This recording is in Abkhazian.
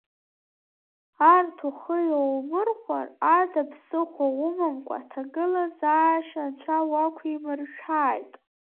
Арҭ ухы иоумырхәар ада ԥсыхәа умамкәа аҭагылазаашьа анцәа уақәимыршәааит.